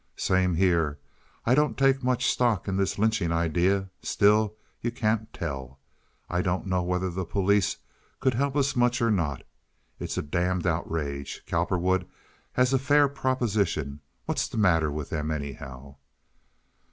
"Same here. I don't take much stock in this lynching idea. Still, you can't tell. I don't know whether the police could help us much or not. It's a damned outrage. Cowperwood has a fair proposition. What's the matter with them, anyhow?"